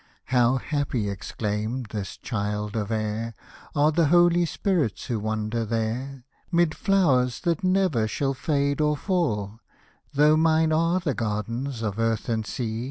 '* How happy," exclaimed this child of air, "Are the holy Spirits who wander there, Mid flowers that never shall fade or fall ; Though mine are the gardens of earth and sea.